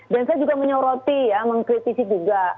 dan saya juga menyoroti ya mengkritisi juga